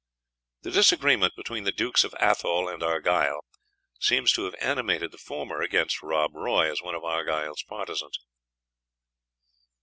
The disagreement between the Dukes of Athole and Argyle seems to have animated the former against Rob Roy, as one of Argyle's partisans.